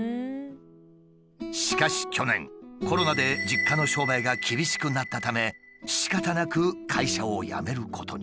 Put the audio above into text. しかし去年コロナで実家の商売が厳しくなったためしかたなく会社を辞めることに。